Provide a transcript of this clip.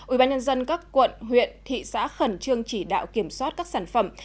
ubnd các quận huyện thị xã khẩn trương chỉ đạo kiểm soát các sản phẩm